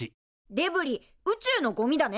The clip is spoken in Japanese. デブリ宇宙のゴミだね。